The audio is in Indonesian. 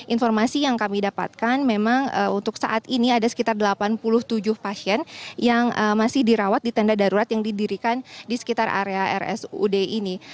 informasi yang kami dapatkan memang untuk saat ini ada sekitar delapan puluh tujuh pasien yang masih dirawat di tenda darurat yang didirikan di sekitar area rsud ini